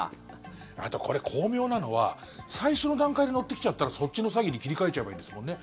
あとこれ、巧妙なのは最初の段階で乗ってきちゃったらそっちの詐欺に切り替えちゃえばいいんですもんね。